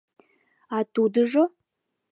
— А тудыжо...